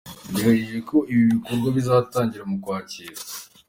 Biteganyijwe ko ibi bikorwa bizatangira mu Ukwakira.